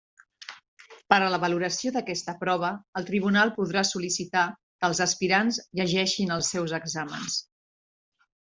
Per a la valoració d'aquesta prova el tribunal podrà sol·licitar que els aspirants llegeixin els seus exàmens.